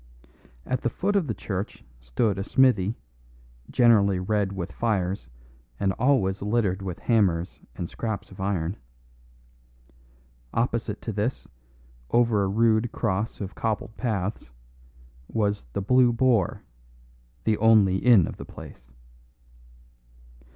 At the foot of the church stood a smithy, generally red with fires and always littered with hammers and scraps of iron; opposite to this, over a rude cross of cobbled paths, was "The Blue Boar," the only inn of the place.